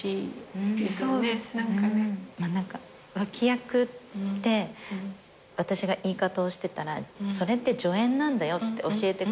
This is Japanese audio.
脇役って私が言い方をしてたら「それって助演なんだよ」って教えてくれた方がいて。